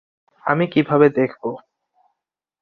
আমি কীভাবে দেখবো?